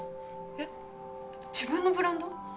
えっ自分のブランド？